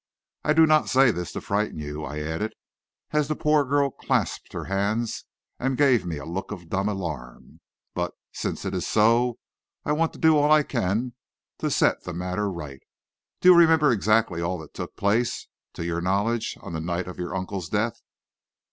I do not say this to frighten you," I added, as the poor girl clasped her hands and gave me a look of dumb alarm; "but, since it is so, I want to do all I can to set the matter right. Do you remember exactly all that took place, to your knowledge, on the night of your uncle's death?"